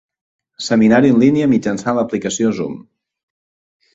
Seminari en línia mitjançant l'aplicació Zoom.